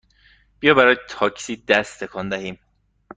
بیا برای تاکسی دست تکان دهیم!